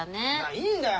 いいんだよ